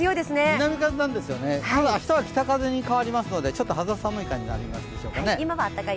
南風なんですよね、ただ明日は北風に変わりますのでちょっと肌寒い感じでしょうかね。